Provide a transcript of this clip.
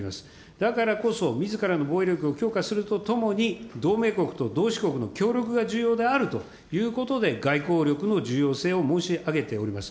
だからこそ、みずからの防衛力を強化するとともに、同盟国と同志国の協力が重要であるということで、外交力の重要性を申し上げております。